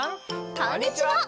こんにちは！